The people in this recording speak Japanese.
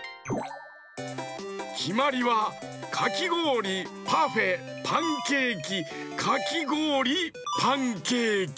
きまりはかきごおりパフェパンケーキかきごおりパンケーキ。